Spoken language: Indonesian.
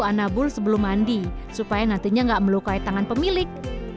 dan anabol sebelum mandi supaya nantinya gak melukai tangan pemilik